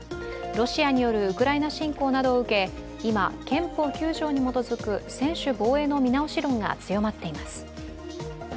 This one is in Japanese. ロシアによるウクライナ侵攻などを受け、今、憲法９条に基づく専守防衛の見直し論が強まっています。